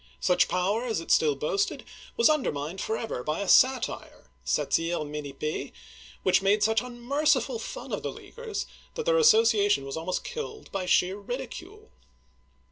Such power as it still boasted was undermined for ever by a satire {Satire Minipp^e) which made such unmerciful fun of the Leaguers that their association was almost killed by sheer ridicule.